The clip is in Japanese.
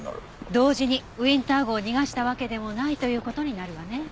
同時にウィンター号を逃がしたわけでもないという事になるわね。